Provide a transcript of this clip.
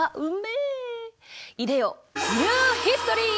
いでよニューヒストリー！